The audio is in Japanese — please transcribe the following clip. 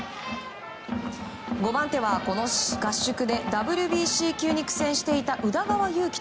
５番手は、この合宿でＷＢＣ球に苦戦していた宇田川優希